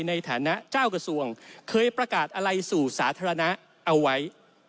ในฐานะเจ้ากระทรวงเคยประกาศอะไรสู่สาธารณะเอาไว้